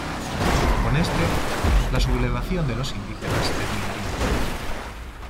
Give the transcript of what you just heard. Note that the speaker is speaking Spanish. Con este, la sublevación de los indígenas terminaría.